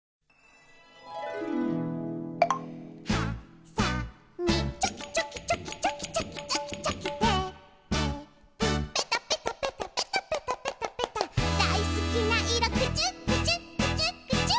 「はさみチョキチョキチョキチョキチョキチョキチョキ」「テープペタペタペタペタペタペタペタ」「だいすきないろクチュクチュクチュクチュ」